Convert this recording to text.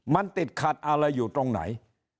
มันติดขัดอะไรอยู่ตรงไหน